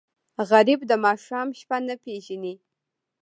غریب د ماښام شپه نه پېژني